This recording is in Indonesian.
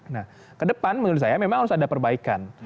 nah kedepan menurut saya memang harus ada perbaikan